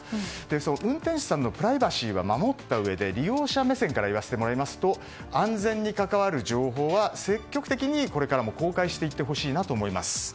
その運転手さんのプライバシーは守ったうえで利用者目線から言わせてもらいますと安全に関わる情報は積極的にこれからも公開していってほしいなと思います。